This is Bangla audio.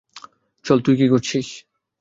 চল, তুই কি করছিস?